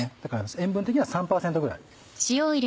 塩分的には３％ぐらい。